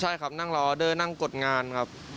ใช่ครับนั่งรออเดอร์นั่งกดงานครับ